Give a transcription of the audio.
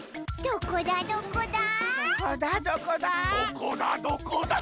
どこだどこだ？